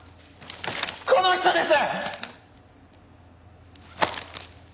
この人です！